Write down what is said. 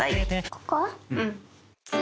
ここ？